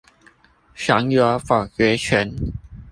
享有否決權